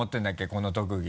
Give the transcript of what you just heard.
この特技。